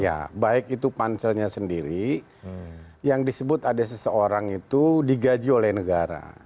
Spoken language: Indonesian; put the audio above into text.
ya baik itu panselnya sendiri yang disebut ada seseorang itu digaji oleh negara